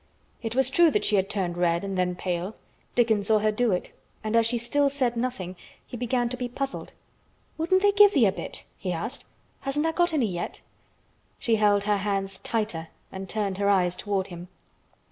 It was true that she had turned red and then pale. Dickon saw her do it, and as she still said nothing, he began to be puzzled. "Wouldn't they give thee a bit?" he asked. "Hasn't tha' got any yet?" She held her hands tighter and turned her eyes toward him.